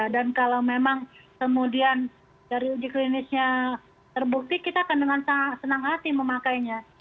dan kalau memang kemudian dari uji klinisnya terbukti kita akan dengan senang hati memakainya